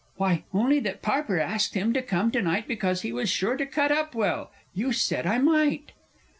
Why, only that Parpar asked him to come to night because he was sure to cut up well. You said I might!